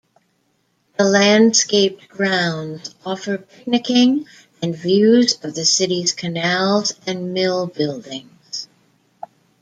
The landscaped grounds offer picnicking and views of the city's canals and mill buildings.